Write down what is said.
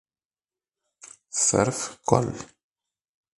Cerf, coll.